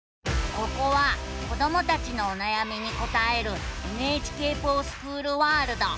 ここは子どもたちのおなやみに答える「ＮＨＫｆｏｒＳｃｈｏｏｌワールド」。